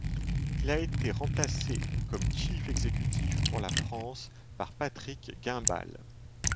Il a été remplacé comme Chief Executive pour la France par Patrick Guimbal.